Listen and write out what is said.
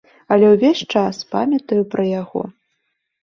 Але ўвесь час памятаю пра яго.